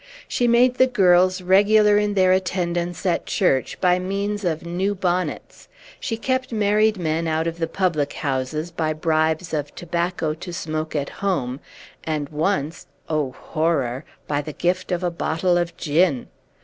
She made the girls regular in their attendance at church by means of new bonnets; she kept married men out of the public houses by bribes of tobacco to smoke at home, and once (oh, horror!) by the gift of a bottle of gin.